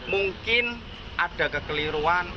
mungkin ada kekeliruan